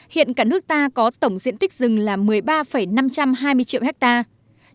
hiện cả nước ta có tổng diện tích rừng là một mươi ba năm trăm hai mươi triệu hectare